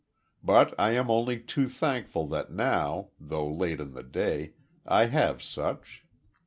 But I am only too thankful that now though late in the day I have such.